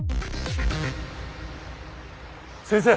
先生！